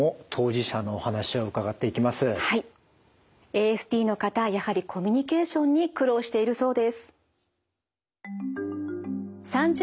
ＡＳＤの方やはりコミュニケーションに苦労しているそうです。